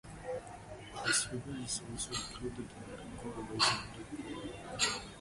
This figure is also included on CalRaisins dot org.